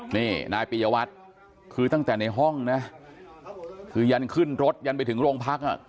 นี่นายปียวัตรคือตั้งแต่ในห้องนะคือยันขึ้นรถยันไปถึงโรงพักอ่ะ